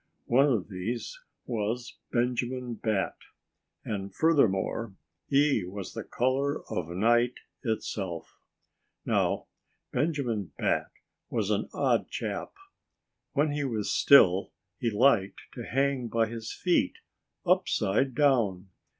One of these was Benjamin Bat. And furthermore, he was the color of night itself. Now, Benjamin Bat was an odd chap. When he was still he liked to hang by his feet, upside down.